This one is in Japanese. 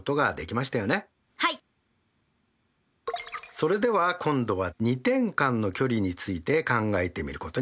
それでは今度は２点間の距離について考えてみることにしましょう。